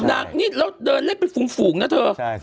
นางนี่เราเดินไล่เป็นฝูงนะเถอะ